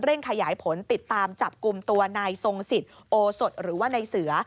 ขยายผลติดตามจับกลุ่มตัวนายทรงสิทธิ์โอสดหรือว่านายเสือ